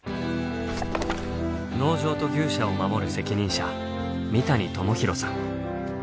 農場と牛舎を守る責任者三谷朋弘さん。